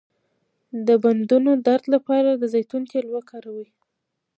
د بندونو درد لپاره د زیتون تېل وکاروئ